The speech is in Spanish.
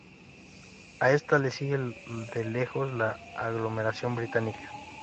A esta le sigue de lejos la aglomeración británica.